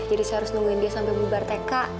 jadi saya harus nungguin dia sampe bubar tk